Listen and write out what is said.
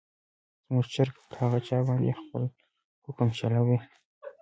زموږ چرګه په هر چا باندې خپل حکم چلوي.